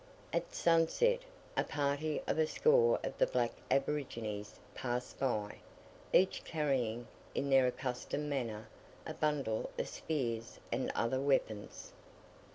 At sunset, a party of a score of the black aborigines passed by, each carrying, in their accustomed manner, a bundle of spears and other weapons.